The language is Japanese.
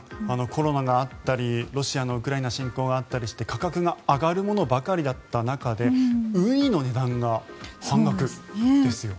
コロナがあったりロシアのウクライナ侵攻があったりして価格が上がるものばかりだった中でウニの値段が半額ですよ。